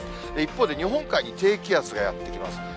一方で日本海に低気圧がやって来ます。